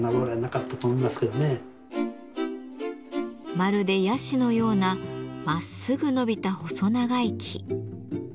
まるでヤシのようなまっすぐ伸びた細長い木。